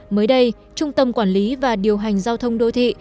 mới đây trung tâm quản lý và điều hành giao thông đô thị